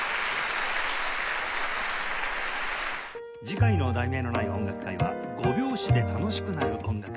次回の『題名のない音楽会』は「５拍子で楽しくなる音楽会」